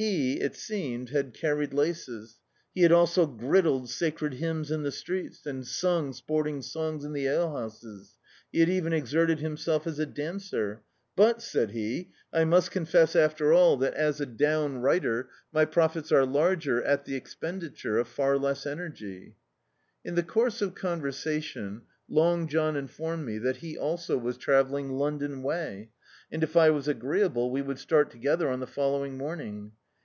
He, it seemed, had carried laces; be had also gridled sacred hymns in the streets, and sung sporting songs in the alehouses; he had even exerted himself as a dancer, "but," said he, "I must confess, after all, that as a downri^ter my profits are larger, at the expenditure of far less energy." In the course of ccHiversation Long John informed me that he also was travelling London way, and if I was agreeable we would start together on the fol lowing morning.